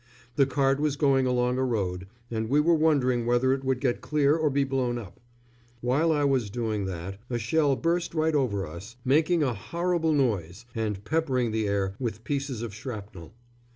The cart was going along a road, and we were wondering whether it would get clear or be blown up. While I was doing that, a shell burst right over us, making a horrible noise and peppering the air with pieces of shrapnel.